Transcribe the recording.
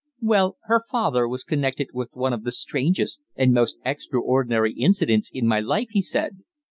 "Well, her father was connected with one of the strangest and most extraordinary incidents in my life," he said.